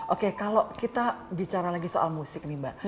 oke kalau kita bicara lagi soal musik nih mbak